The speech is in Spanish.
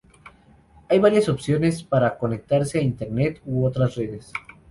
Hay varias opciones para conectarse a Internet u otras redes.